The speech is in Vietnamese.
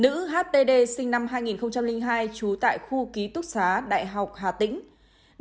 nữ h t d sinh năm hai nghìn hai chú tại khu ký túc xá đại học hà tĩnh